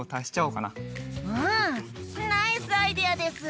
うんナイスアイデアです！